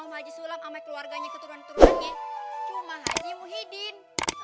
wajah sulam amai keluarganya keturun keturunnya cuma haji muhyiddin